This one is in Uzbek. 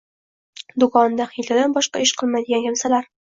Do'konida hiyladan boshqa ish qilmaydigan kimsalar